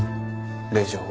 令状を。